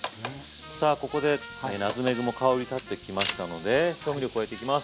さあここでナツメグも香り立ってきましたので調味料を加えていきます。